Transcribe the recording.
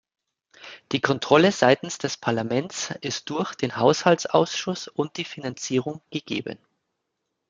Die Kontrolle seitens des Parlaments ist durch den Haushaltsausschuss und die Finanzierung gegeben.